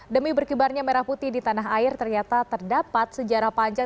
demi berkibarnya merah putih di tanah air ternyata terdapat sejarah panjang